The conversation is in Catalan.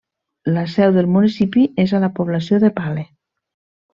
La seu del municipi és a la població de Pale.